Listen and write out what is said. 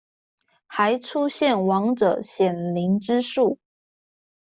還出現亡者顯靈之術